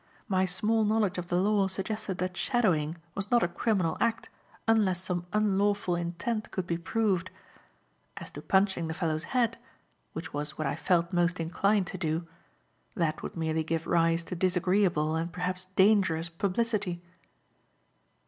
My small knowledge of the law suggested that shadowing was not a criminal act unless some unlawful intent could be proved. As to punching the fellow's head which was what I felt most inclined to do that would merely give rise to disagreeable, and perhaps dangerous, publicity.